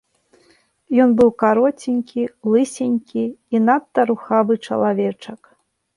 Ён быў кароценькі, лысенькі і надта рухавы чалавечак.